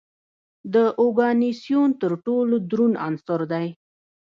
د اوګانیسون تر ټولو دروند عنصر دی.